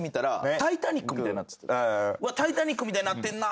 『タイタニック』みたいになってんなと思って。